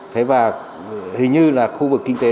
thế và hình như là khu vực kinh tế